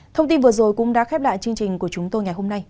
thông tin vừa rồi cũng đã khép lại chương trình của chúng tôi ngày hôm nay